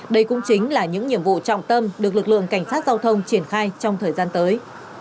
đây cũng chính là những nhiệm vụ trọng tâm được lực lượng cảnh sát giao thông triển khai trong thời gian tới